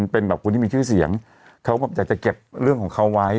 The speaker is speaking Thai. เป็นแบบคนที่มีชื่อเสียงเขาแบบอยากจะเก็บเรื่องของเขาไว้